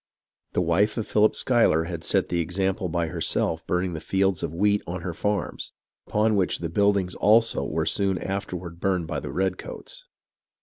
The wife of Philip Schuyler had set the example by herself burning the fields of wheat on her farms, upon which the buildings also were soon afterward burned by the redcoats.